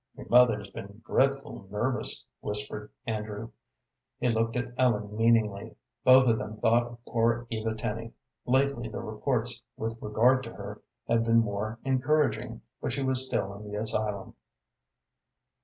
"Your mother's been dreadful nervous," whispered Andrew. He looked at Ellen meaningly. Both of them thought of poor Eva Tenny. Lately the reports with regard to her had been more encouraging, but she was still in the asylum.